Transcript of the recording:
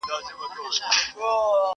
باز له ليري را غوټه له شنه آسمان سو.!